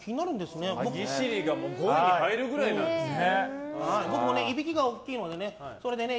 歯ぎしりが５位に入るぐらいなんですね。